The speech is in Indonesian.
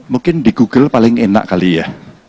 mungkin di google paling enak kali ya